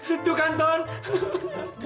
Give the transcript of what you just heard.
itu kan tony